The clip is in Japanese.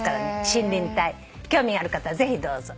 森林隊興味ある方はぜひどうぞ。